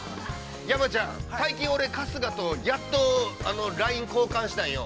◆山ちゃん、最近俺、春日とやっとＬＩＮＥを交換したのよ。